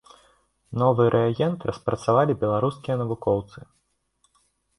Новы рэагент распрацавалі беларускія навукоўцы.